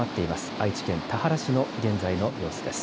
愛知県田原市の現在の様子です。